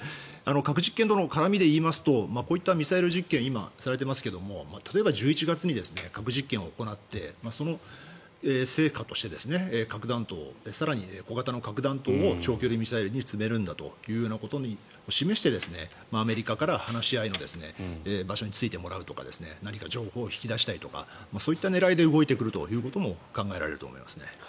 核実験との絡みでいいますとこういったミサイル実験がされていますが例えば１１月に核実験を行ってその成果として、核弾頭更に小型の核弾頭を長距離ミサイルに積めるんだということを示してアメリカから話し合いの場所に着いてもらうとか何か情報を引き出したりとかそういった狙いで動いてくるということも考えられると思いますね。